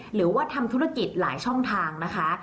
หรือว่าทำธุรกิจหลายช่องทางนะคะ